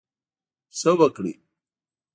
ښه وکړٸ.